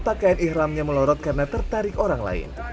pakaian ikhramnya melorot karena tertarik orang lain